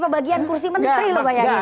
pembagian kursi menteri lo bayangin